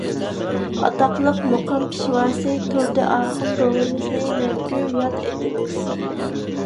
ئاتاقلىق مۇقام پېشۋاسى تۇردى ئاخۇن بوۋىمىزنى مەڭگۈ ياد ئېتىمىز.